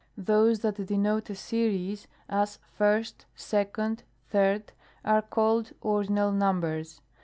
Those that denote a series, as first, second, third, are called ordinal numbers.